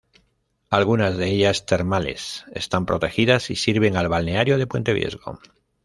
Algunas de ellas, termales, están protegidas y sirven al balneario de Puente Viesgo.